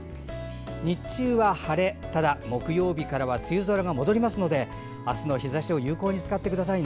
日中は晴れ、ただ木曜日からは梅雨空が戻りますので明日の日ざしを有効に使ってください。